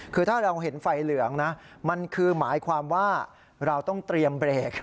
คือถ้าเราเห็นไฟเหลืองนะมันคือหมายความว่าเราต้องเตรียมเบรก